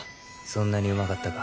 そんなにうまかったか？